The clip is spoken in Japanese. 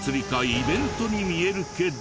イベントに見えるけど。